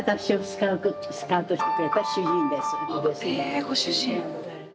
えご主人？